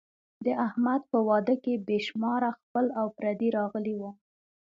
د احمد په واده کې بې شماره خپل او پردي راغلي وو.